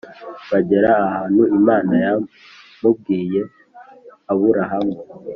Bagera ahantu imana yamubwiye aburahamu